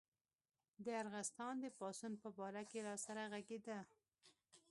د ارغستان د پاڅون په باره کې راسره غږېده.